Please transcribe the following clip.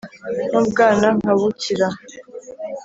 n'ubwana nkabukira